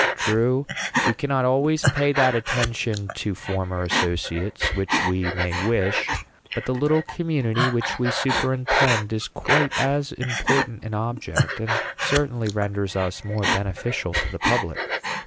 True, we cannot always pay that attention to former associates which we may wish; but the little community which we superintend is quite as important an object, and certainly renders us more beneficial to the public.